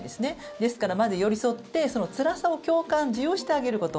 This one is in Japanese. ですから、まず寄り添ってそのつらさを共感受容してあげること。